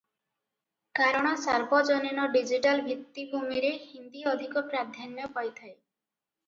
କାରଣ ସାର୍ବଜନୀନ ଡିଜିଟାଲ ଭିତ୍ତିଭୂମିରେ ହିନ୍ଦୀ ଅଧିକ ପ୍ରାଧାନ୍ୟ ପାଇଥାଏ ।